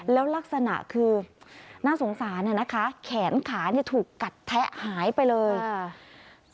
แล้วลักษณะคือน่าสงสารอ่ะนะคะแขนขาเนี่ยถูกกัดแทะหายไปเลยอ่า